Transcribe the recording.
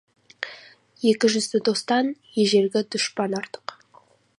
Екіжүзді достан, ежелгі дұшпан артық.